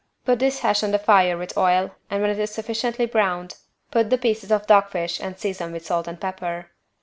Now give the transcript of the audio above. Put this hash on the fire with oil and when it is sufficiently browned, put the pieces of dog fish and season with salt and pepper.